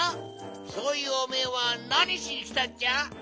そういうおめえはなにしにきたっちゃ？